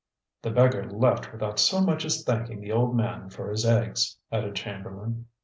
"The beggar left without so much as thanking the old man for his eggs," added Chamberlain.